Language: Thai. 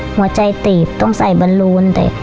หัวใจตีบต้องใส่บอลลูน